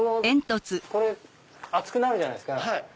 これ熱くなるじゃないですか。